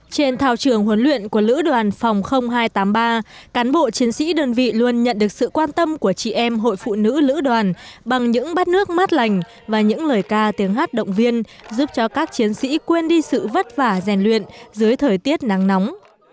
trên thảo trường huấn luyện của lữ đoàn phòng hai trăm tám mươi ba cán bộ chiến sĩ đơn vị luôn nhận được sự quan tâm của chị em hội phụ nữ lữ đoàn bằng những bát nước mát lành và những lời ca tiếng hát động viên giúp cho các chiến sĩ quên đi sự vất vả rèn luyện dưới thời tiết nắng nóng